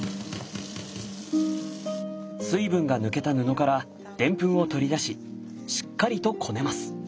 水分が抜けた布からデンプンを取り出ししっかりとこねます。